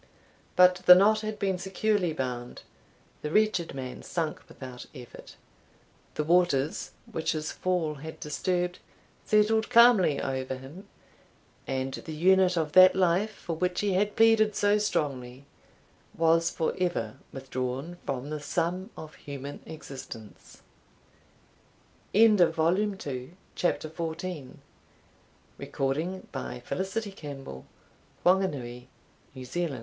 But the knot had been securely bound the wretched man sunk without effort; the waters, which his fall had disturbed, settled calmly over him, and the unit of that life for which he had pleaded so strongly, was for ever withdrawn from the sum of human existence. CHAPTER FIFTEEN. And be he safe restored ere evening set, Or, if there's vengeance in an i